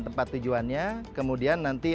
tempat tujuannya kemudian nanti